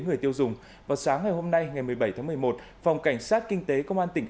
người tiêu dùng vào sáng ngày hôm nay ngày một mươi bảy tháng một mươi một phòng cảnh sát kinh tế công an tỉnh